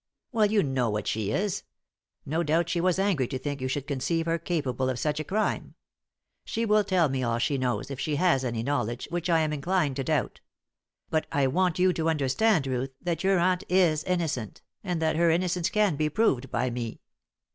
"Well, you know what she is. No doubt she was angry to think you should conceive her capable of such a crime. She will tell me all she knows, if she has any knowledge, which I am inclined to doubt. But I want you to understand, Ruth, that your aunt is innocent, and that her innocence can be proved by me.